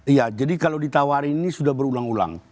iya jadi kalau ditawarin ini sudah berulang ulang